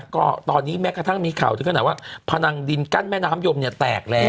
ก็ตอนนี้แม้กระทั่งมีข่าวถึงขนาดว่าพนังดินกั้นแม่น้ำยมเนี่ยแตกแล้ว